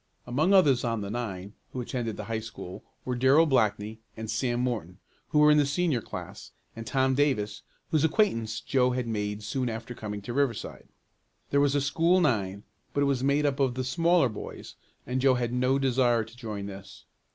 Among others on the nine who attended the high school were Darrell Blackney and Sam Morton, who were in the senior class, and Tom Davis, whose acquaintance Joe had made soon after coming to Riverside. There was a school nine, but it was made up of the smaller boys and Joe had no desire to join this.